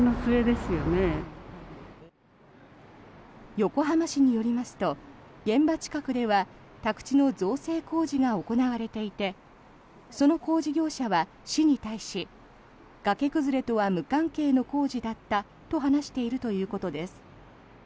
横浜市によりますと現場近くでは宅地の造成工事が行われていてその工事業者は市に対し崖崩れとは無関係の工事だったと話しているということです。